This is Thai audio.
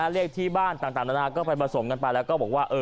เลขที่บ้านต่างนานาก็ไปผสมกันไปแล้วก็บอกว่า